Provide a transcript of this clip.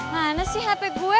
mana sih hp gue